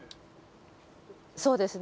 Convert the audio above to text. そうですね。